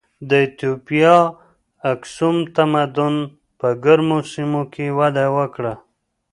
د ایتوپیا اکسوم تمدن په ګرمو سیمو کې وده وکړه.